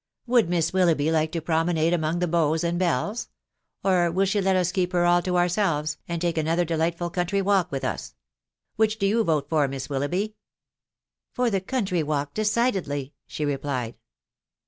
"Would Miss Willoughby like to promenade among the beaux and helles ? Or will she let us keep her all to ourselves, and take another delightful country walk with us r Which do you rote* ife& Miss WJUougbby." THE WIB0W BatwNAwY. iMi t€t Ear the (country walk, decidedly/' she repKed.